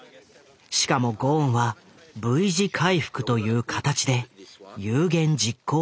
しかもゴーンはＶ字回復という形で有言実行してみせた。